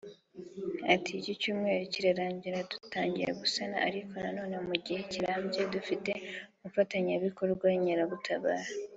Ati “Iki cyumweru kirarangira dutangiye gusana ariko noneho mu gihe kirambye dufite umufatanyabikorwa (Inkeragutabara)